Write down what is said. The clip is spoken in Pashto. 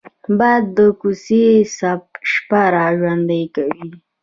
باد د کوڅې شپه را ژوندي کوي